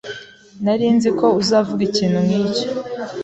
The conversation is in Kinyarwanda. Nari nzi ko uzavuga ikintu nkicyo.